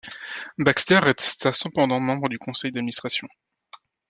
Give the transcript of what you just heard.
Baxter resta cependant membre du conseil d'administration.